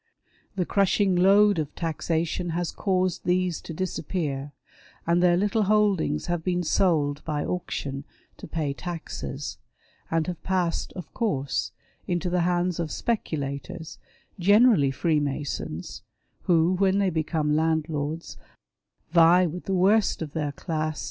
The crushing load of taxation has caused these to disappear, and their little holdings have been scld by auction to pay taxes, and have passed, of course, into the hands of speculators, generally Freemasons, who, when they become landlords, vie with the worst of their class, THE INTERNATIONAL, THE NIHILISTS, THE BLACK HAND, ETC.